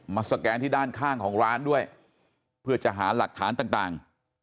สแกนที่ด้านข้างของร้านด้วยเพื่อจะหาหลักฐานต่าง